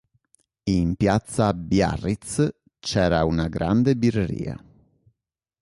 In piazza "Biarritz", c'era una grande birreria.